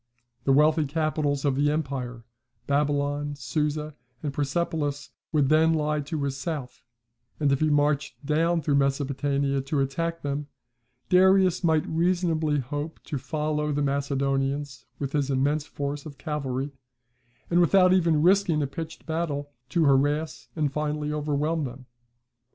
The wealthy capitals of the empire, Babylon, Susa, and Persepolis, would then lie to his south; and if he marched down through Mesopotamia to attack them, Darius might reasonably hope to follow the Macedonians with his immense force of cavalry, and, without even risking a pitched battle, to harass and finally overwhelm them.